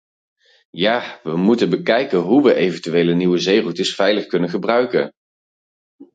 Ja, we moeten bekijken hoe we eventuele nieuwe zeeroutes veilig kunnen gebruiken.